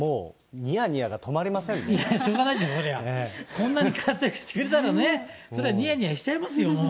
こんなに活躍してくれたらね、それはにやにやしちゃいますよ、もう。